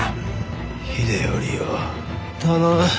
秀頼を頼む。